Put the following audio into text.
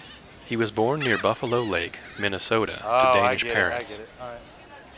He was born near Buffalo Lake, Minnesota to Danish parents.